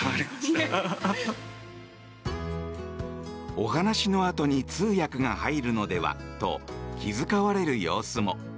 お話のあとに通訳が入るのではと気遣われる様子も。